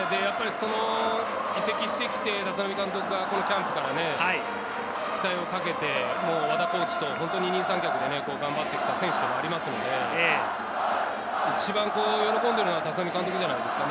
移籍してきて立浪監督がキャンプから期待をかけて、和田コーチと二人三脚で頑張ってきた選手ですので、一番喜んでいるのは立浪監督じゃないですか？